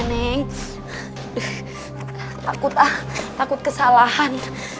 next takut ah takut kesalahan